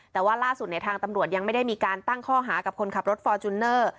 แต่ว่าล่าสุดทางตำรวจยังไม่ได้มีการตั้งข้อหากับคนขับรถฟอร์จูเนอร์